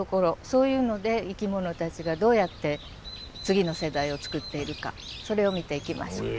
そういうので生きものたちがどうやって次の世代を作っているかそれを見ていきましょう。